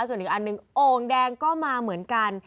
ส่วนอีกอันหนึ่งโอ่งแดงก็มาเหมือนกัน